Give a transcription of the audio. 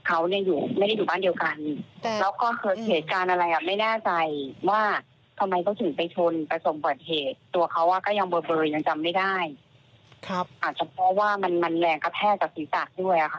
อาจจะเพราะว่ามันแรงกระแพร่กับศีรษะด้วย